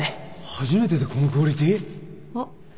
初めてでこのクオリティー？あっ。